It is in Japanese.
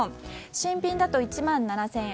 新品だと１万７０００円。